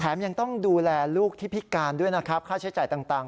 ยังต้องดูแลลูกที่พิการด้วยนะครับค่าใช้จ่ายต่าง